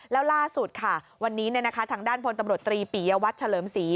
แล้วล่าสุดค่ะวันนี้ทางด้านพลตำรวจตรีปียวัตรเฉลิมศรี